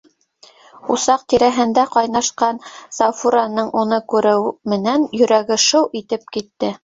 Усаҡ тирәһендә ҡайнашҡан Сафураның уны күреү менән йөрәге шыу итеп китте.